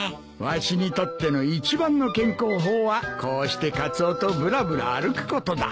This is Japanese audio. わしにとっての一番の健康法はこうしてカツオとぶらぶら歩くことだ。